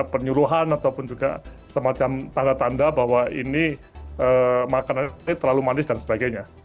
penyuluhan ataupun juga semacam tanda tanda bahwa ini makanan ini terlalu manis dan sebagainya